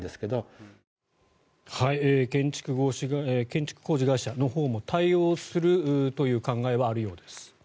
建築工事会社のほうも対応するという考えはあるようです。